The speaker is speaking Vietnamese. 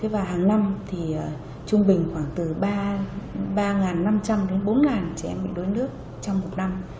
và hàng năm thì trung bình khoảng từ ba năm trăm linh đến bốn trẻ em bị đuối nước trong một năm